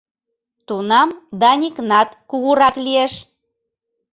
Тунам Даникнат кугурак лиеш.